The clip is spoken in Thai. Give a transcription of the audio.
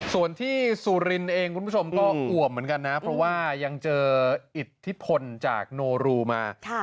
ส่วนที่สุรินทร์เองคุณผู้ชมก็อ่วมเหมือนกันนะเพราะว่ายังเจออิทธิพลจากโนรูมา